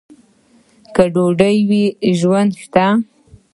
که ډوډۍ وي، ژوند شته.